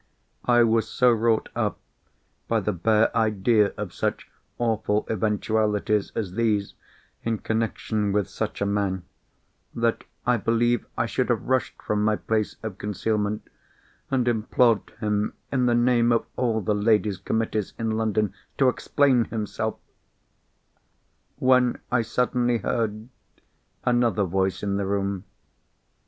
I was so wrought up by the bare idea of such awful eventualities as these in connection with such a man, that I believe I should have rushed from my place of concealment, and implored him in the name of all the Ladies' Committees in London to explain himself—when I suddenly heard another voice in the room.